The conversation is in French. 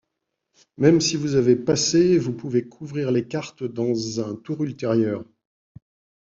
Même si vous avez passé, vous pouvez couvrir les cartes dans un tour ultérieur.